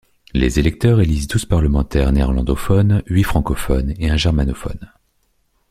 Les électeurs élisent douze parlementaires néerlandophones, huit francophones et un germanophone.